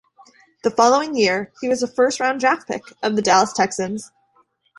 The following year, he was a first round draft pick of the Dallas Texans.